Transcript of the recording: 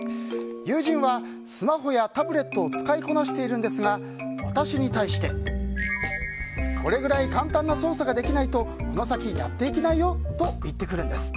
友人は、スマホやタブレットを使いこなしているんですが私に対してこれくらい簡単な操作ができないとこの先やっていけないよ！と言ってくるんです。